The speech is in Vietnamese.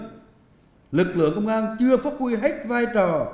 nhưng lực lượng công an chưa phát huy hết vai trò